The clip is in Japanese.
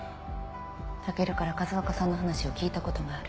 武尊から風岡さんの話を聞いたことがある。